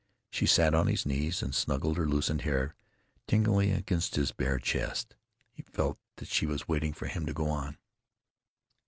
She sat on his knees and snuggled her loosened hair tinglingly against his bare chest. He felt that she was waiting for him to go on.